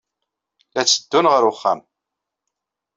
La tteddun ɣer wexxam.